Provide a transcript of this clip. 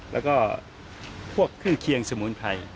แล้วก็พวกเครื่องเคียงสมุนไพร